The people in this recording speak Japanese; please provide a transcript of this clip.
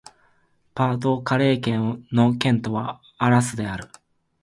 パ＝ド＝カレー県の県都はアラスである